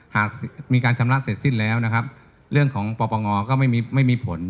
หากมีการชำระเสร็จสิ้นแล้วนะครับเรื่องของปปงก็ไม่มีผล